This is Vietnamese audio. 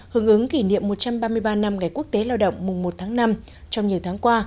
hướng ứng kỷ niệm một trăm ba mươi ba năm ngày quốc tế lao động mùng một tháng năm trong nhiều tháng qua